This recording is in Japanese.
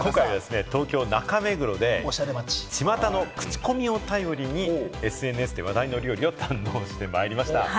東京・中目黒で、ちまたのクチコミを頼りにＳＮＳで話題の料理を堪能してまいりました。